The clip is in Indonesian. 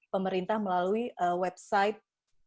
pemerintah melalui website